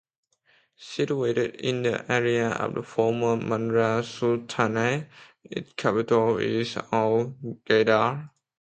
Situated in the area of the former Mahra Sultanate, its capital is Al Ghaydah.